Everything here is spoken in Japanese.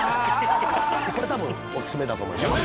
これたぶんお薦めだと思います。